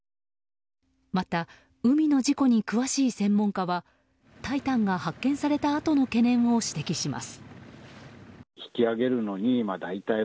また、海の事故に詳しい専門家は「タイタン」が発見されたあとの懸念を指摘します。